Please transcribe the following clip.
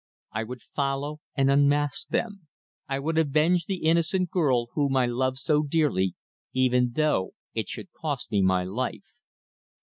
I would follow and unmask them. I would avenge the innocent girl whom I loved so dearly, even though it should cost me my life!